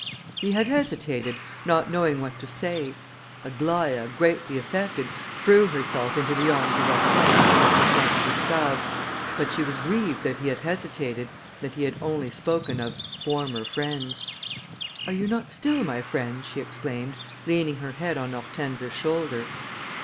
He had hesitated, not knowing what to say. Aglaïa, greatly affected, threw herself into the arms of Hortense, as if to thank Gustave, but she was grieved that he had hesitated, that he had only spoken of former friends. "Are you not still my friends?" she exclaimed, leaning her head on Hortense's shoulder.